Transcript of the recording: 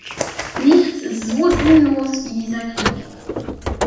Nichts ist so sinnlos wie dieser Krieg.